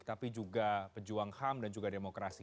tapi juga pejuang ham dan juga demokrasi